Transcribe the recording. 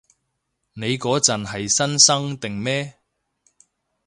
你嗰陣係新生定咩？